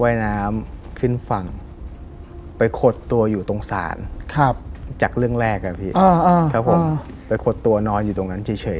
ว่ายน้ำขึ้นฝั่งไปขดตัวอยู่ตรงศาลครับจากเรื่องแรกอะพี่ครับผมไปขดตัวนอนอยู่ตรงนั้นเฉย